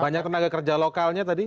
banyak tenaga kerja lokalnya tadi